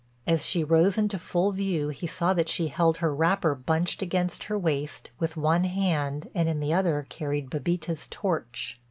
As she rose into full view he saw that she held her wrapper bunched against her waist with one hand and in the other carried Bébita's torch.